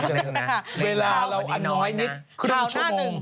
เรียกเวลาอันนี้น้อยนิดครึ่งชั่วโมง